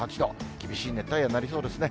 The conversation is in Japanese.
厳しい熱帯夜になりそうですね。